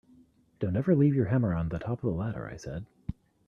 Don’t ever leave your hammer on the top of the ladder, I said.